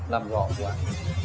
làm rõ quán